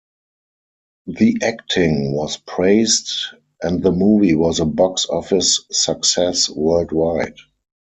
The acting was praised and the movie was a box office success worldwide.